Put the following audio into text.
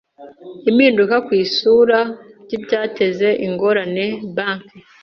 impinduka ku isura ry ibyateza ingorane banki